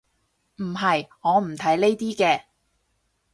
唔係，我唔睇呢啲嘅